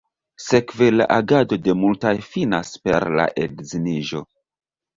Sekve la agado de multaj finas per la edziniĝo.